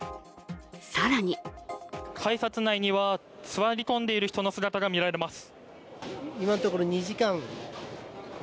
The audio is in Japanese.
更に改札内には座り込んでいる人の姿が見られます。